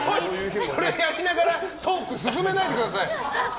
それやりながらトーク進めないでください！